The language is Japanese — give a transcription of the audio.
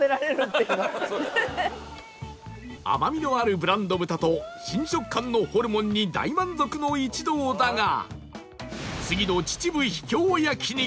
甘みのあるブランド豚と新食感のホルモンに大満足の一同だが